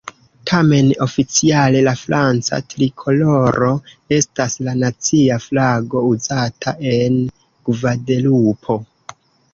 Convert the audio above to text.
Tamen, oficiale la franca trikoloro estas la nacia flago uzata en Gvadelupo.